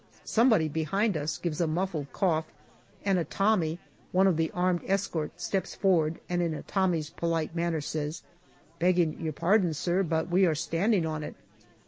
" Somebody behind us gives a muffled cough, and a Tommy, one of the armed escort, steps forward and in a Tommy's polite manner says, " Begging your pardon, sir, but we are standing on it."